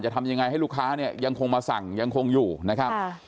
ทำยังไงให้ลูกค้าเนี่ยยังคงมาสั่งยังคงอยู่นะครับ